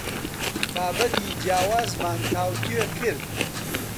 بابەتی جیاوازمان تاوتوێ کرد.